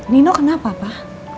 nino kenapa pak